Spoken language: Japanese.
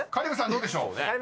どうでしょう？］